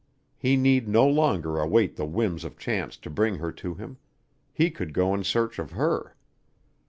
He need no longer await the whims of chance to bring her to him; he could go in search of her.